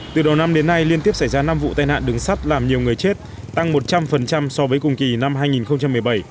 từ đầu năm đến nay liên tiếp xảy ra năm vụ tai nạn đường sắt làm nhiều người chết tăng một trăm linh so với cùng kỳ năm hai nghìn một mươi bảy